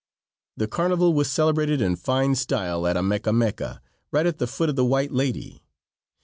The carnival was celebrated in fine style at Amecameca, right at the foot of the White Lady.